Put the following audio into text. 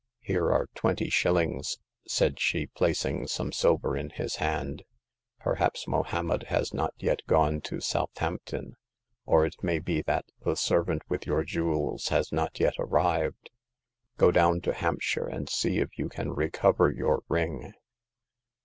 " Here are twenty shillings," said she, placing some silver in his hand. " Perhaps Mohommed has not yet gone to Southampton ; or it may be that the servant with your jewels has not yet arrived. Go down to Hampshire, and see if you can recover your ring."